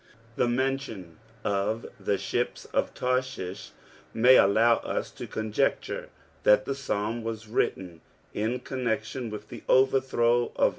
The mention <if the skips o^ Tarahish mag aOme us to cor^ecture that the Psabn teas m ittcn in connfcfinn with the overthroic of .